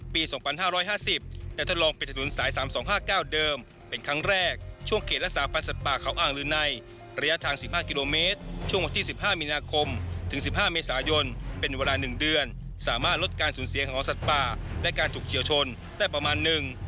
ปี๒๕๕๐และทดลองเป็นถนนสาย๓๒๕๙เดิมเป็นครั้งแรกช่วงเขตรักษาพันธ์สัตว์ป่าเขาอ่างลือในระยะทาง๑๕กิโลเมตรช่วงวันที่๑๕มีนาคมถึง๑๕เมษายนเป็นเวลา๑เดือนสามารถลดการสูญเสียของสัตว์ป่าและการถูกเฉียวชนได้ประมาณหนึ่ง